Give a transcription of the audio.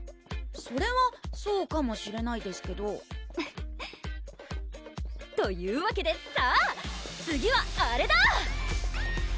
それはそうかもしれないですけどというわけでさぁ次はあれだー！